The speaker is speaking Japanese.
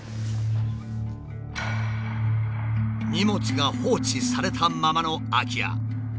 荷物が放置されたままの空き家。